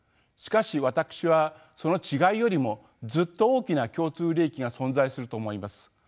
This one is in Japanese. しかし私はその違いよりもずっと大きな共通利益が存在すると思います。